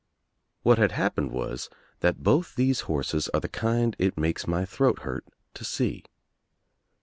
What had happened was that both these horses arc the kind it makes my throat hurt to sec.